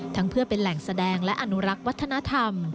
เพื่อเป็นแหล่งแสดงและอนุรักษ์วัฒนธรรม